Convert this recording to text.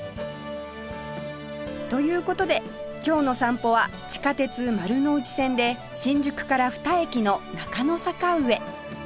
という事で今日の散歩は地下鉄丸ノ内線で新宿から２駅の中野坂上